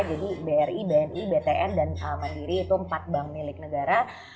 jadi bri bni btn dan mandiri itu empat bank milik negara